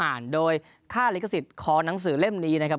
อ่านโดยค่าลิขสิทธิ์คอหนังสือเล่มนี้นะครับ